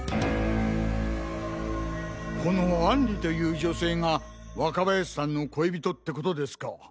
このアンリという女性が若林さんの恋人ってことですか？